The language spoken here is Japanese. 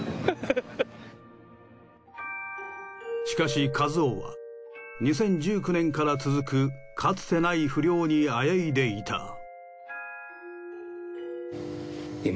しかし一夫は２０１９年から続くかつてない不漁にあえいでいた。